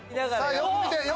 よく見て！